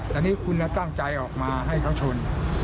แต่นี่คุณตั้งใจออกมาให้เขาชน